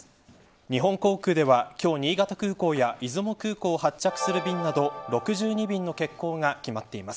日本航空では今日、新潟空港や出雲空港を発着する便など６２便の欠航が決まっています。